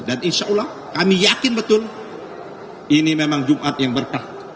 dan insya allah kami yakin betul ini memang jumat yang berkah